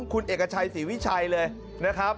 คุณเอกชัยศรีวิชัยเลยนะครับ